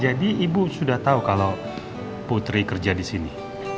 jadi ibu sudah tahu kalau putri kerja di sini